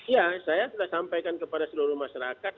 ya saya sudah sampaikan kepada seluruh masyarakat